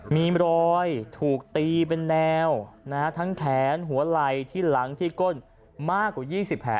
มีรอยถูกตีเป็นแนวทั้งแขนหัวไหล่ที่หลังที่ก้นมากกว่า๒๐แผล